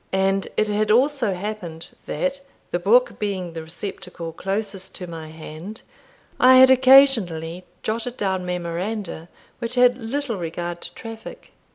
And it had also happened, that, the book being the receptacle nearest to my hand, I had occasionally jotted down memoranda which had little regard to traffic.